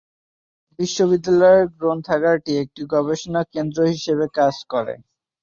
বিশ্ববিদ্যালয়ের গ্রন্থাগারটি একটি গবেষণা কেন্দ্র হিসাবে কাজ করে।